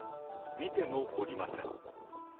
見てもおりません。